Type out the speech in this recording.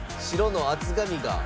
白の厚紙が。